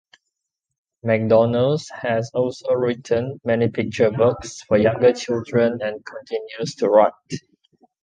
McDonald has also written many picture books for younger children and continues to write.